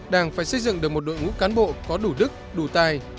đảng phải xây dựng được một đội ngũ cán bộ có đủ đức đủ tài